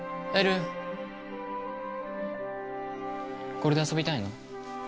これで遊びたいの？